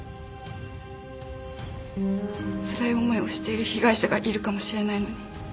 つらい思いをしている被害者がいるかもしれないのに。